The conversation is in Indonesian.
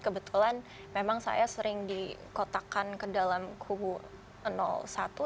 kebetulan memang saya sering dikotakan ke dalam kubu satu